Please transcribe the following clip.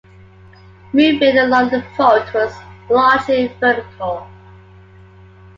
Movement along the fault was largely vertical.